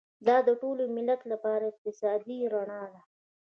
دا د ټول ملت لپاره اقتصادي رڼا ده.